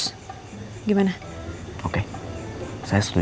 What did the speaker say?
untuk bilang kalau kita itu udah putus